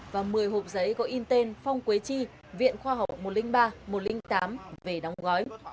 và một mươi hộp giấy gọi in tên phong quế chi viện khoa học một trăm linh ba một trăm linh tám về đóng gói